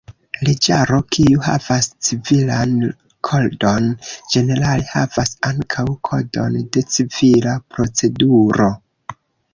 Leĝaro kiu havas civilan kodon ĝenerale havas ankaŭ kodon de civila proceduro.